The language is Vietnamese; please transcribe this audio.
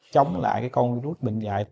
chống lại cái con virus bệnh dại